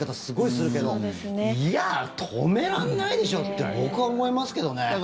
すごいするけどいや、止めらんないでしょって僕は思いますけどね。